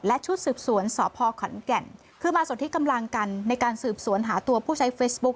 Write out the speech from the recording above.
และชุดสืบสวนสพขอนแก่นคือมาส่วนที่กำลังกันในการสืบสวนหาตัวผู้ใช้เฟซบุ๊ค